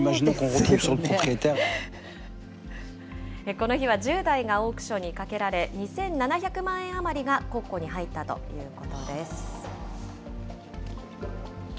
この日は１０台がオークションにかけられ、２７００万円余りが国庫に入ったということです。